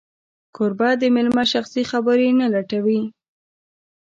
کوربه د مېلمه شخصي خبرې نه لټوي.